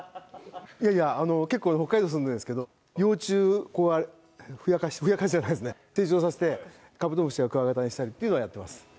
いやいや、北海道に住んでるんですけど、幼虫をふやかせて、ふやかせてじゃないですね、成長させて、カブトムシやクワガタにしたりとかっていうのはやってます。